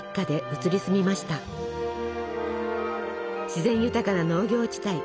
自然豊かな農業地帯。